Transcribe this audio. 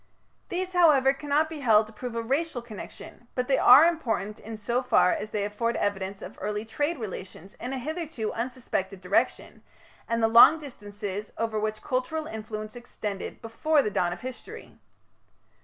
These, however, cannot be held to prove a racial connection, but they are important in so far as they afford evidence of early trade relations in a hitherto unsuspected direction, and the long distances over which cultural influence extended before the dawn of history.